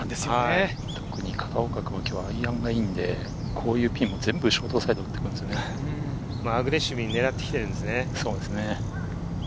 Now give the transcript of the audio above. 特に片岡君は今日はアイアンがいいので、こういうピンもショートサイドに打ってくるんでアグレッシブに狙ってきているんですね。